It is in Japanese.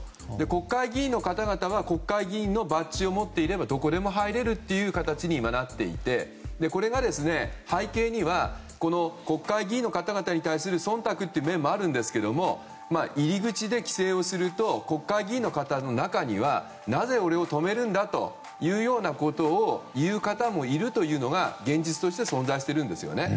国会議員の方々は国会議員のバッジを持っていればどこでも入れるという形になっていてこれが、背景には国会議員の方々に対する忖度という面もあるんですが入り口で規制をすると国会議員の方の中にはなぜ俺を止めるんだということを言う方もいるというのが現実として存在するんですよね。